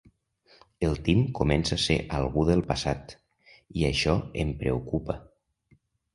El Tim comença a ser algú del passat, i això em preocupa.